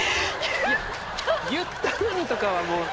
「言ったのに」とかはもう。